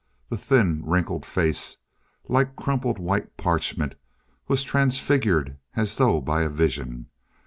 The thin wrinkled face, like crumpled white parchment, was transfigured as though by a vision.